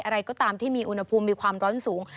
อะไรก็ตามที่มีอุณหภูมิมีความร้อนสูง